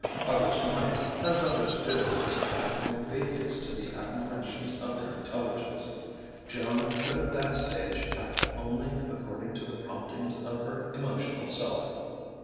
Others might as others do act in obedience to the admonitions of their intelligence: Joan could at that stage act only according to the promptings of her emotional self.